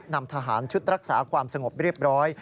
นำทหารชุดรักษาความสงบเรียบร้อย